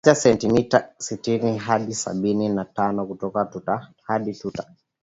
acha sentimita sitini hadi sabini na tano kutoka tuta hadi tuta